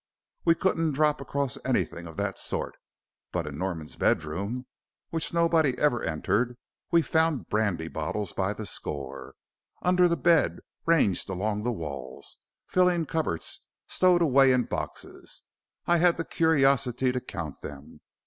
We couldn't drop across anything of that sort, but in Norman's bedroom, which nobody ever entered, we found brandy bottles by the score. Under the bed, ranged along the walls, filling cupboards, stowed away in boxes. I had the curiosity to count them.